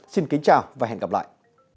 xin kính chào và hẹn gặp lại